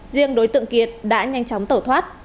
riêng đối tượng kiệt đã nhanh chóng tẩu thoát